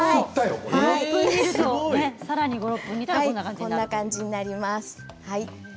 こんな感じになります。